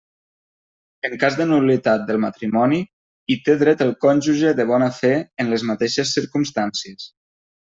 En cas de nul·litat del matrimoni, hi té dret el cònjuge de bona fe, en les mateixes circumstàncies.